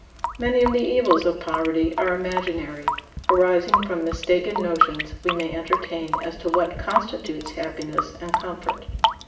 Many of the evils of poverty are imaginary, arising from mistaken notions we may entertain as to what constitutes happiness and comfort.